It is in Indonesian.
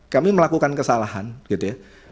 kami melakukan kesalahan gitu ya